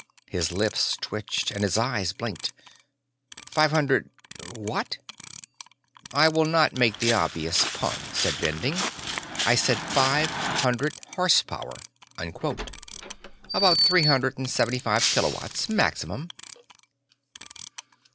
His lips twitched, and his eyes blinked. "Five hundred what?" "I will not make the obvious pun," said Bending. "I said 'five hundred horsepower' unquote. About three hundred and seventy five kilowatts, maximum."